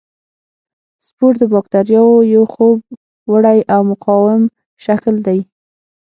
سپور د باکتریاوو یو خوب وړی او مقاوم شکل دی.